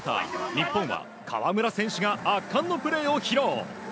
日本は河村選手が圧巻のプレーを披露。